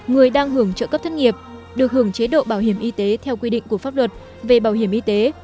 người đang hưởng trợ cấp thất nghiệp được hưởng chế độ bảo hiểm y tế theo quy định của pháp luật về bảo hiểm y tế